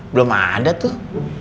belum ada tuh